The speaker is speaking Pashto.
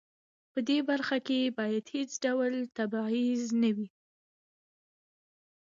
په دې برخه کې باید هیڅ ډول تبعیض نه وي.